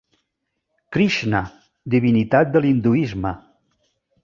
Krixna, divinitat de l'hinduisme.